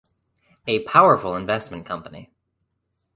A powerful investment company.